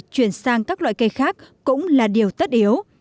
chuyển sang các loại cây khác cũng là điều tất yếu